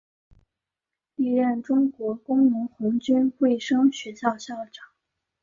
历任中国工农红军卫生学校校长。